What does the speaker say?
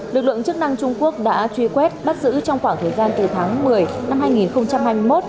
lực lượng chức năng trung quốc đã truy quét bắt giữ trong khoảng thời gian từ tháng một mươi năm hai nghìn hai mươi một